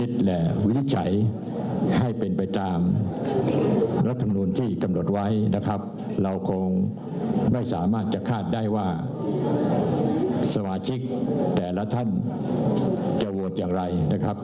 สมาชิกแต่ละท่านจะโหวตอย่างไรนะครับ